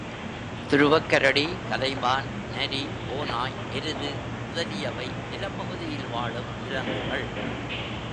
துருவக் கரடி, கலைமான், நரி, ஓநாய், எருது முதலியவை நிலப் பகுதியில் வாழும் விலங்குகள்.